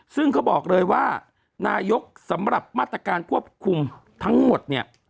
ซึ่งเขาบอกเลยว่านายกสำหรับมาตรการควบคุมทั้งหมดเนี่ย